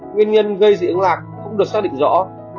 nguyên nhân gây dị ứng lạc không được sử dụng là các loại hạt cây